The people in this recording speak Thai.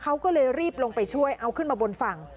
เขาก็เลยรีบลงไปช่วยเอาขึ้นมาบนฝั่ง